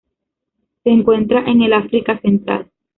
Se encuentra en el África Central.